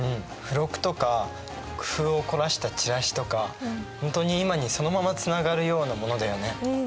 付録とか工夫を凝らしたチラシとか本当に今にそのままつながるようなものだよね。